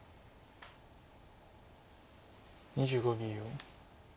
２５秒。